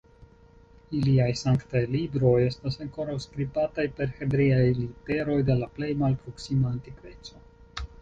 Iliaj sanktaj libroj estas ankoraŭ skribataj per hebreaj literoj de la plej malproksima antikveco.